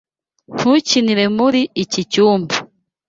Ntukinire muri iki cyumba.